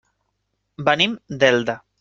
Venim d'Elda.